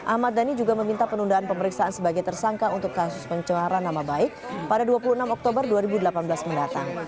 ahmad dhani juga meminta penundaan pemeriksaan sebagai tersangka untuk kasus pencemaran nama baik pada dua puluh enam oktober dua ribu delapan belas mendatang